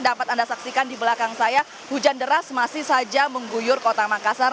dapat anda saksikan di belakang saya hujan deras masih saja mengguyur kota makassar